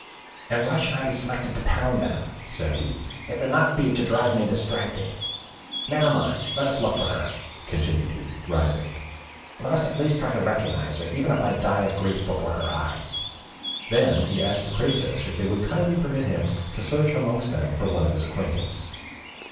"And why should I be selected to pound them," said he, "if it be not to drive me distracted? Never mind, let us look for her," continued he, rising; "let us at least try to recognise her, even if I die of grief before her eyes." Then he asked the crayfish if they would kindly permit him to search amongst them for one of his acquaintance.